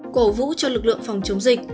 cổ vũ cho lực lượng phòng chống dịch